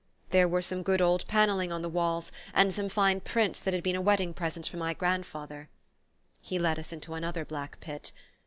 "There were some good old paneling on the walls, and some fine prints that had been a wedding present to my grand father." He led us into another black pit.